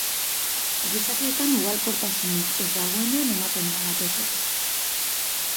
Gizakietan ugalkortasunik ez dagoenean ematen da, batez ere.